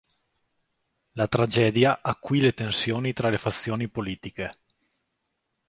La tragedia acuì le tensioni tra le fazioni politiche.